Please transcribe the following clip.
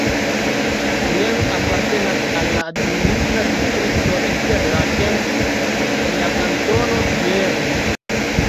Brienz apartenas al la administra distrikto Interlaken en la kantono Berno.